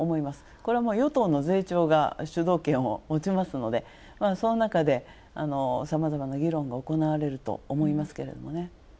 これは与党の税調が主導権を持ちますのでその中で、さまざまな議論が行われると思いますが。